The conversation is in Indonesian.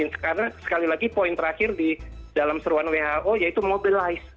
karena sekali lagi poin terakhir di dalam seruan who yaitu mobilize